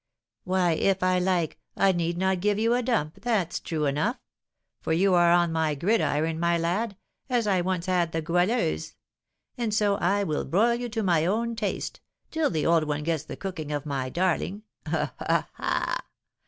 "Why, if I like, I need not give you a dump, that's true enough; for you are on my gridiron, my lad, as I once had the Goualeuse; and so I will broil you to my own taste, till the 'old one' gets the cooking of my darling ha! ha! ha!